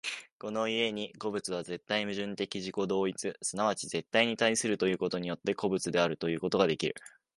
この故に個物は絶対矛盾的自己同一、即ち絶対に対することによって、個物であるということができる。